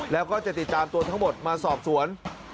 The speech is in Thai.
แล้วก็จะติดตามตัวทั้งหมดมาสอบสวน